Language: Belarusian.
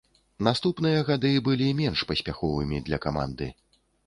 Наступныя гады былі менш паспяховымі для каманды.